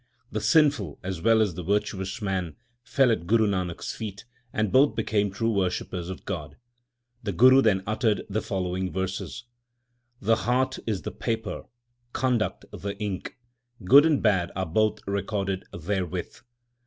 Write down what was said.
The sinful as well as the virtuous man fell at Guru Nanak s feet, and both became true worshippers of God. The Guru then uttered the following verses : The heart is the paper, conduct the ink ; l good and bad are both recorded therewith.